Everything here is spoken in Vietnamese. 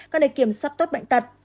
có thể kiểm soát tốt bệnh tật